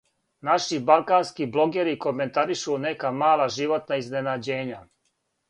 Наши балкански блогери коментаришу нека мала животна изненађења.